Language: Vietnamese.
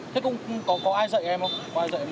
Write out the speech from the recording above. thế cũng có ai dạy em không